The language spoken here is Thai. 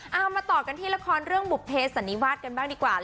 เอามาต่อกันที่ละครเรื่องบุภเพสันนิวาสกันบ้างดีกว่า